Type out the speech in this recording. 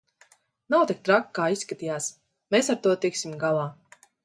Nav tik traki kā izskatījās, mēs ar to tiksim galā.